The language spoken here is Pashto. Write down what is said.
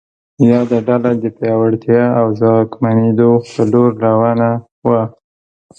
یاده ډله د پیاوړتیا او ځواکمنېدو په لور روانه وه.